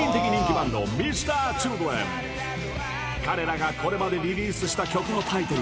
バンド彼らがこれまでリリースした曲のタイトル